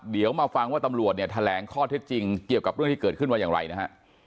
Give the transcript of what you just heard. เดี๋ยวมาฟังว่าตำรวจเนี่ยแถลงข้อเท็จจริงเกี่ยวกับเรื่องที่เกิดขึ้นว่าอย่างไรนะฮะ